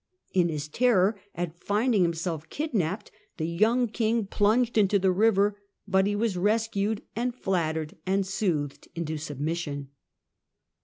In his terror at finding himself kidnapped, the young king plunged into the river, but he was rescued, and flattered and soothed into sub mission.